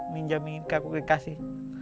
menjamin kayak aku kasih